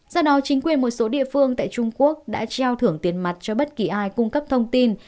do đó chính quyền một số địa phương tại trung quốc đã treo thưởng tiền mặt cho bất kỳ ai cung cấp thông tin